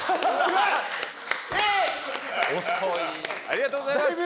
ありがとうございます。